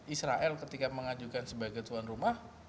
israel ketika mengajukan sebagai tuan rumah